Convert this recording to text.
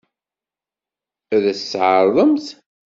Ad as-tt-tɛeṛḍemt?